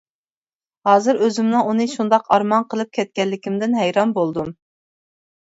ھازىر ئۆزۈمنىڭ ئۇنى شۇنداق ئارمان قىلىپ كەتكەنلىكىمدىن ھەيران بولدۇم.